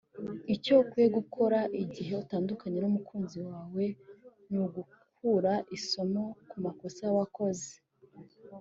Icyo ukwiye gukora igihe utandukanye n’umukunzi wawe ni ugukura isomo ku makosa wakoze